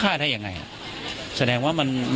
เป็นวันที่๑๕ธนวาคมแต่คุณผู้ชมค่ะกลายเป็นวันที่๑๕ธนวาคม